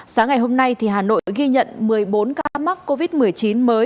sáng ngày hôm nay hà nội ghi nhận một mươi bốn ca mắc covid một mươi chín mới